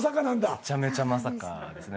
めちゃめちゃまさかですね。